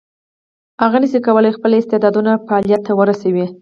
هغه نشي کولای خپل استعدادونه فعلیت ته ورسوي.